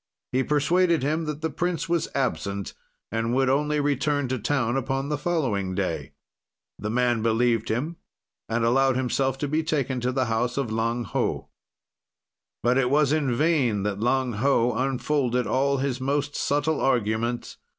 He persuaded him that the prince was absent and would only return to town upon the following day. "The man believed him, and allowed himself to be taken to the house of Lang Ho. "But it was in vain that Lang Ho unfolded all his most subtle arguments.